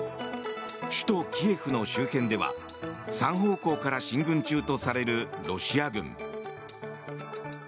首都キエフの周辺では３方向から進軍中とされるロシア軍。